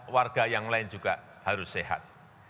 warga yang lain juga harus sehat